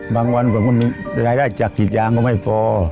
บางวันผมมีรายได้จากผิดยางก็ไม่พอ